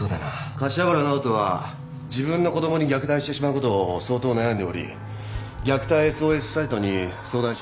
柏原直人は自分の子供に虐待してしまうことを相当悩んでおり虐待ＳＯＳサイトに相談していたようです。